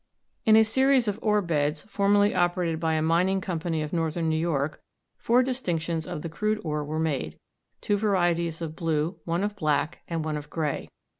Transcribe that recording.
In a series of ore beds formerly operated by a mining company of northern New York, four distinctions of the crude ore were made, two varieties of blue, one of black, and one of gray.